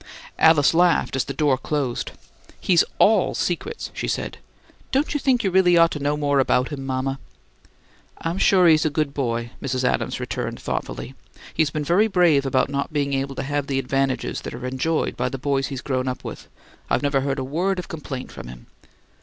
Alice laughed as the door closed. "He's ALL secrets," she said. "Don't you think you really ought to know more about him, mama?" "I'm sure he's a good boy," Mrs. Adams returned, thoughtfully. "He's been very brave about not being able to have the advantages that are enjoyed by the boys he's grown up with. I've never heard a word of complaint from him."